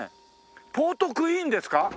ポートクイーンですか？